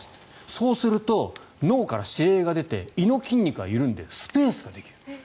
そうすると脳から指令が出て胃の筋肉が緩んでスペースができる。